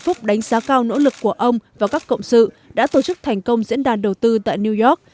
phúc đánh giá cao nỗ lực của ông và các cộng sự đã tổ chức thành công diễn đàn đầu tư tại new york